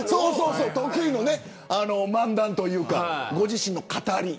得意の漫談というかご自身の語り。